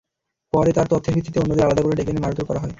পরে তাঁর তথ্যের ভিত্তিতে অন্যদের আলাদা করে ডেকে এনে মারধর করা হয়।